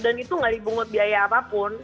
dan itu gak dibungkut biaya apapun